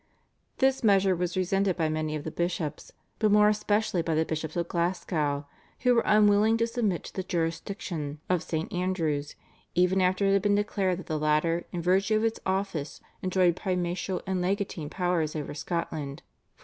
This measure was resented by many of the bishops, but more especially by the Bishops of Glasgow, who were unwilling to submit to the jurisdiction of St. Andrew's even after it had been declared that the latter in virtue of its office enjoyed primatial and legatine powers over Scotland (1487).